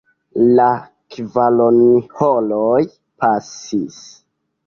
La kvaronhoroj pasis.